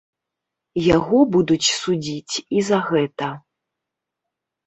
Яго будуць судзіць і за гэта.